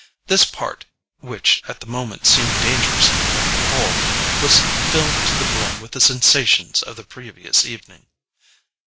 This part—which at the moment seemed dangerously like the whole—was filled to the brim with the sensations of the previous evening.